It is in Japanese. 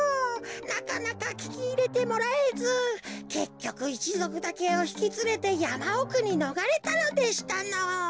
なかなかききいれてもらえずけっきょくいちぞくだけをひきつれてやまおくにのがれたのでしたのぉ。